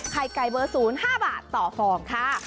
ไข่ไก่เบอร์ศูนย์ห้าบาทต่อฟองค่ะ